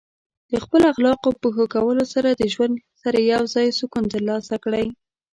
د خپل اخلاقو په ښه کولو سره د ژوند سره یوځای سکون ترلاسه کړئ.